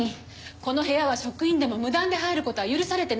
この部屋は職員でも無断で入る事は許されてないわ。